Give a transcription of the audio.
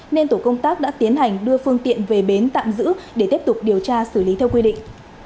nên tổ công tác đã tiến hành đưa phương tiện về bến tạm giữ để tiếp tục điều tra xử lý theo quy định